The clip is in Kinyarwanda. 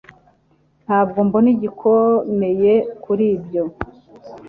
Ntabwo mbona igikomeye kuri ibyo.